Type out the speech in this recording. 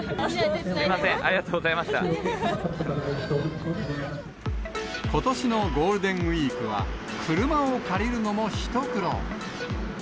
すみませことしのゴールデンウィークは、車を借りるのも一苦労。